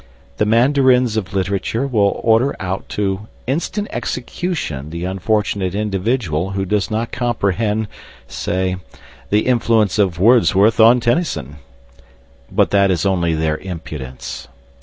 The mandarins of literature will order out to instant execution the unfortunate individual who does not comprehend, say, the influence of Wordsworth on Tennyson. But that is only their impudence.